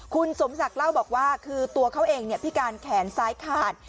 คุณสมศักดิ์เล่าบอกว่าคือตัวเขาเองพิการแขนซ้ายขาด